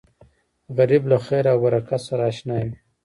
غریب له خیر او برکت سره اشنا وي